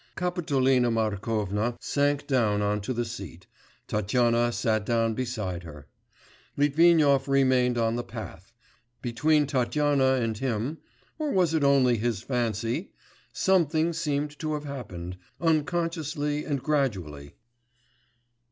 Kapitolina Markovna sank down on to the seat, Tatyana sat down beside her. Litvinov remained on the path; between Tatyana and him or was it only his fancy? something seemed to have happened ... unconsciously and gradually.